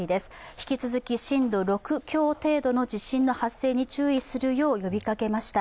引き続き震度６強程度の地震に注意するよう呼びかけました。